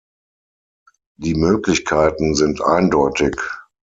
Die Möglichkeiten sind eindeutig.